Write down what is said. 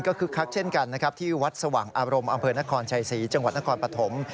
คึกคักเช่นกันนะครับที่วัดสว่างอารมณ์อำเภอนครชัยศรีจังหวัดนครปฐม